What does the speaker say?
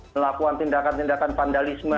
melakukan tindakan tindakan vandalisme